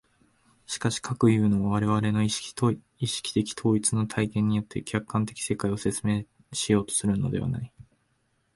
しかし、かくいうのは我々の意識的統一の体験によって客観的世界を説明しようとするのではない。